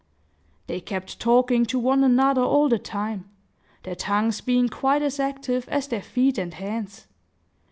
They kept talking to one another all the time, their tongues being quite as active as their feet and hands.